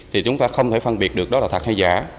thì chúng ta không thể phân biệt được đó là thật hay giả